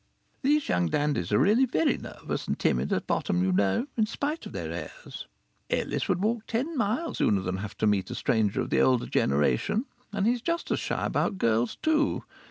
These young dandies are really very nervous and timid at bottom, you know, in spite of their airs. Ellis would walk ten miles sooner than have to meet a stranger of the older generation. And he's just as shy about girls too.